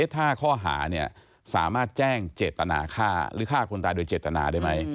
ถ้าข้อหาสามารถแจ้งเจตนาฆ่าหรือฆ่าคนตายโดยเจตนาได้ไหม